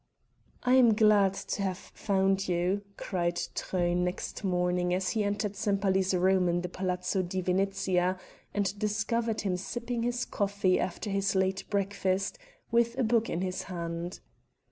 "I am glad to have found you," cried Truyn next morning as he entered Sempaly's room in the Palazzo di Venezia, and discovered him sipping his coffee after his late breakfast, with a book in his hand.